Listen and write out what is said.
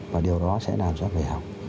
và điều đó sẽ làm cho các người học